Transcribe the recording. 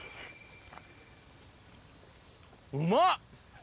うまっ！